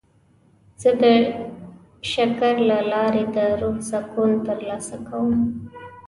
زه د شکر له لارې د روح سکون ترلاسه کوم.